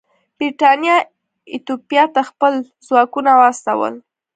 برېټانیا ایتوپیا ته خپل ځواکونه واستول.